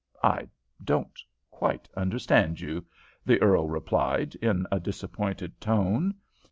"I don't quite understand you," the earl replied, in a disappointed tone.